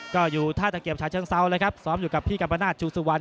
ก็อยู่ท่าตะเกียบฉาเชิงเซาเลยครับซ้อมอยู่กับพี่กัมปนาศชูสุวรรณ